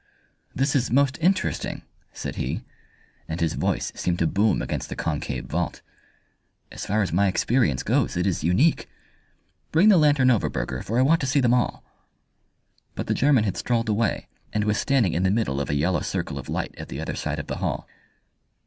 "This is most interesting," said he, and his voice seemed to boom against the concave vault. "As far as my experience goes, it is unique. Bring the lantern over, Burger, for I want to see them all." But the German had strolled away, and was standing in the middle of a yellow circle of light at the other side of the hall.